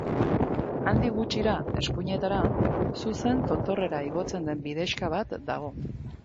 Handik gutxira, eskuinetara, zuzen tontorrera igotzen den bidexka bat dago.